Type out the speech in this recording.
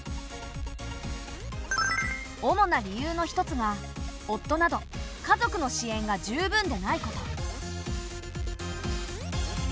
主な理由の一つが夫など家族の支援が十分でないこと。